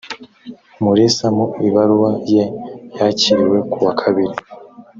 umulisa mu ibaruwa ye yakiriwe kuwa kabiri